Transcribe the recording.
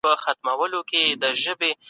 عصري ماشین آلات د کار سرعت زیاتوي.